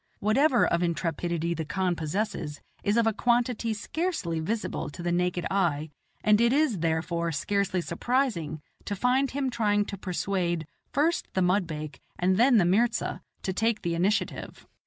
Whatever of intrepidity the khan possesses is of a quantity scarcely visible to the naked eye, and it is, therefore, scarcely surprising to find him trying to persuade, first the mudbake and then the mirza, to take the initiative.